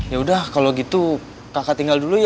ya udah kalau gitu kakak tinggal dulu ya